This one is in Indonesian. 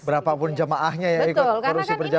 berapapun jamaahnya ya ikut perusahaan perjamaah gitu ya